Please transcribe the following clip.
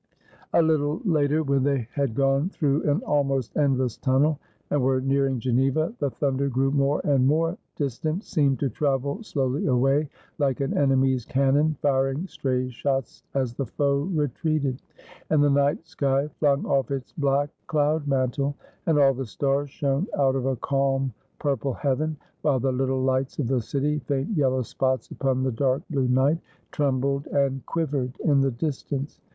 A little later, when they had gone through an almost endless tunnel, and were nearing Geneva, the thunder grew more and more distant, seemed to travel slowly away, like an enemy's cannon firing stray shots as the foe retreated ; and the night sky flung off its black cloud mantle, and all the stars shone out of a calm purple heaven ; while the little lights of the city, faint yellow spots upon the dark blue night, trembled and quivered in the distance.